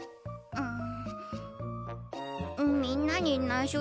うん。